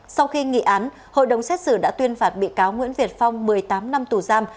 sau khi nghị án hội đồng xét xử đã tuyên phạt bị cáo nguyễn việt phong một mươi tám năm tù giam